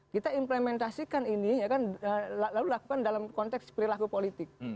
kita implementasikan ini lalu lakukan dalam konteks perilaku politik